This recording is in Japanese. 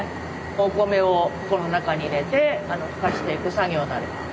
お米をこの中に入れてふかしていく作業になります。